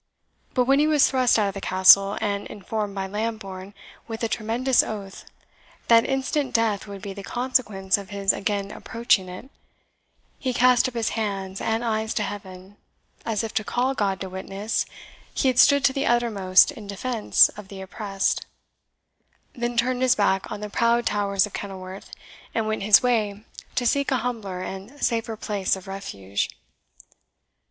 But when he was thrust out of the Castle, and informed by Lambourne, with a tremendous oath, that instant death would be the consequence of his again approaching it, he cast up his hands and eyes to heaven, as if to call God to witness he had stood to the uttermost in defence of the oppressed; then turned his back on the proud towers of Kenilworth, and went his way to seek a humbler and safer place of refuge.